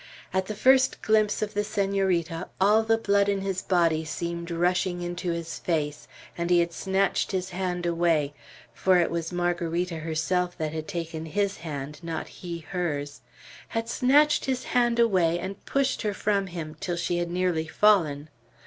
At the first glimpse of the Senorita, all the blood in his body seemed rushing into his face, and he had snatched his hand away, for it was Margarita herself that had taken his hand, not he hers, had snatched his hand away, and pushed her from him, till she had nearly fallen.